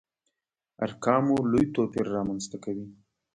ارقامو لوی توپير رامنځته کوي.